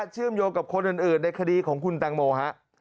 เชื่อมโยงกับคนอื่นในคดีของคุณแตงโมฮะ